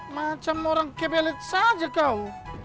macam orang kebelet saja kau